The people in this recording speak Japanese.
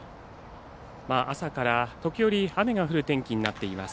朝から、時折雨が降る天気になっています。